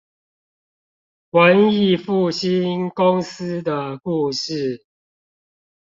文藝復興公司的故事